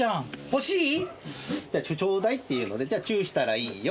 「ちょうだい」って言うのでじゃあチューしたらいいよ。